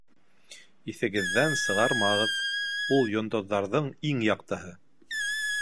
Иҫегеҙҙән сығармағыҙ: ул йондоҙҙарҙың иң яҡтыһы.